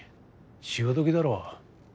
潮時だろ。